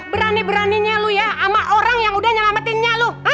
berani beraninya lu ya sama orang yang udah nyelamatinnya lo